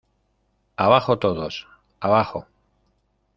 ¡ abajo todos! ¡ abajo !